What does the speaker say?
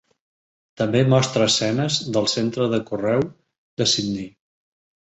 També mostra escenes del centre de correu de Sydney.